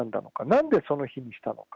なんでその日にしたのか。